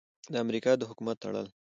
د امریکا د حکومت تړل: